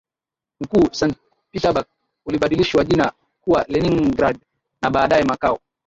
mkuu Sant Peterburg ulibadilishwa jina kuwa Leningrad na baadaye makao